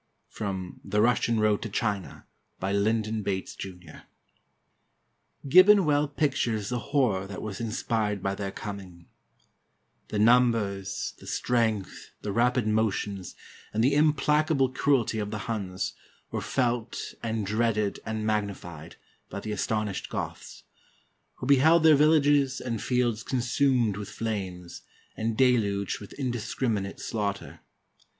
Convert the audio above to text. (From "The Russian Road to China," by Lindon Bates, Jr.) Gibbon well pictures the horror that was inspired by their coming: "The numbers, the strength, the rapid motions, and the implacable cruelty of the Huns, were felt and dreaded and magnified, by the astonished Goths; who beheld their villages and fields consumed with flames, and deluged with indiscriminate slaughter.